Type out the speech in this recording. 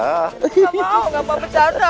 maaf aku tidak mau berbicara